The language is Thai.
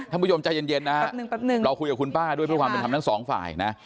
ท่านผู้โยมใจเย็นนะเราคุยกับคุณป้าด้วยเพื่อความเป็นคำนั้นสองฝ่ายนะ